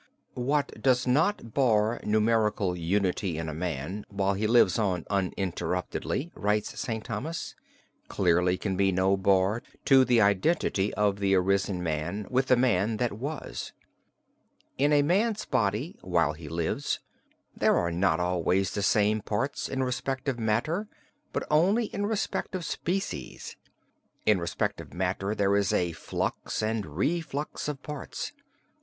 "What does not bar numerical unity in a man while he lives on uninterruptedly (writes St. Thomas), clearly can be no bar to the identity of the arisen man with the man that was. In a man's body, while he lives, there are not always the same parts in respect of matter but only in respect of species. In respect of matter there is a flux and reflux of parts.